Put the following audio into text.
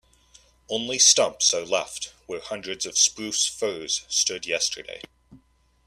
Only stumps are left where hundreds of spruce firs stood yesterday.